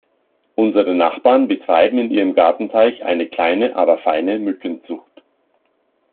Unsere Nachbarn betreiben in ihrem Gartenteich eine kleine aber feine Mückenzucht.